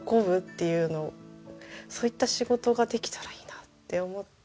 そういった仕事ができたらいいなって思って。